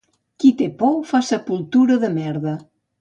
Qui té por fa la sepultura de merda.